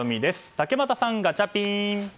竹俣さん、ガチャピン。